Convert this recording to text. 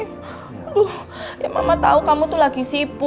aduh ya mama tau kamu lagi sibuk